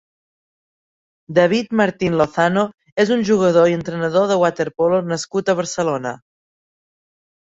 David Martín Lozano és un jugador i entrenador de waterpolo nascut a Barcelona.